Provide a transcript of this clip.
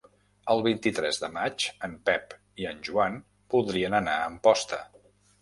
El vint-i-tres de maig en Pep i en Joan voldrien anar a Amposta.